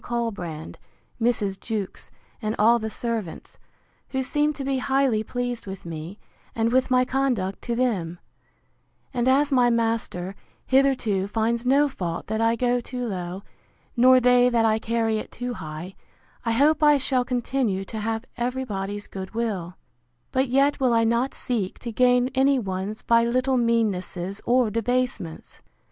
Colbrand, Mrs. Jewkes, and all the servants, who seem to be highly pleased with me, and with my conduct to them: And as my master, hitherto, finds no fault that I go too low, nor they that I carry it too high, I hope I shall continue to have every body's good will: But yet will I not seek to gain any one's by little meannesses or debasements!